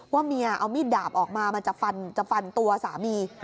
ว่าเมียเอามีดดาบออกมามาจับฟันตัวสามี